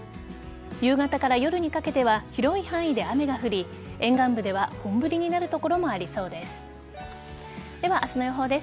夕方から夜にかけては広い範囲で雨が降り沿岸部では本降りになる所もありそうです。